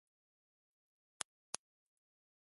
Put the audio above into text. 日本の一番きれいなところはどこかな